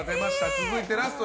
続いて、ラスト。